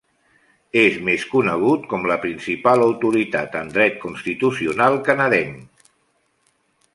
És més conegut com la principal autoritat en dret constitucional canadenca.